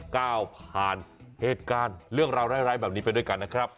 ก้าวผ่านเหตุการณ์เรื่องราวร้ายแบบนี้ไปด้วยกันนะครับ